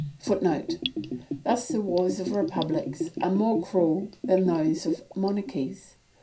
[Footnote: Thus the wars of republics are more cruel than those of monarchies.